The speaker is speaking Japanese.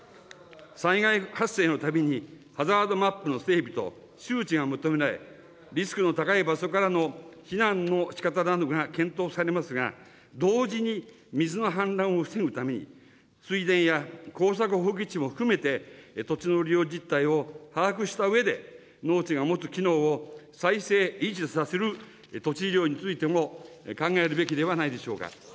災害発生のたびにハザードマップの整備と周知が求められ、リスクの高い場所からの避難のしかたなどが検討されますが、同時に水の氾濫を防ぐために、水田や耕作放棄地も含めて、土地の利用実態を把握したうえで、農地が持つ機能を再生・維持させる土地利用についても考えるべきではないでしょうか。